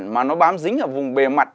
mà nó bám dính ở vùng bề mặt